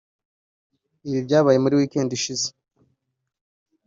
ibi byabaye muri weekend ishize